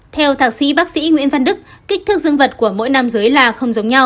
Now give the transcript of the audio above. theo thạc sĩ bác sĩ nguyễn văn đức kích thước dương vật của mỗi nam giới là không giống nhau